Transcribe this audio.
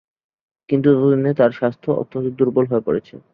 কিন্তু ততদিনে তার স্বাস্থ্য অত্যন্ত দুর্বল হয়ে পড়েছে।